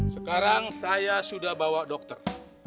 sekarang saya sudah bawa dokter